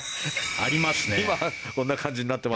ありますね。